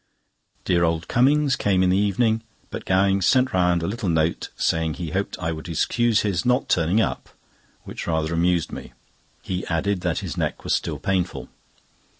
Dear old Cummings came in the evening; but Gowing sent round a little note saying he hoped I would excuse his not turning up, which rather amused me. He added that his neck was still painful.